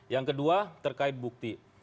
yang kedua terkait bukti